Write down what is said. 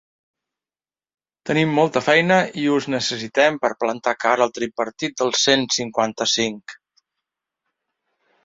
Tenim molta feina i us necessitem per plantar cara al tripartit del cent cinquanta-cinc.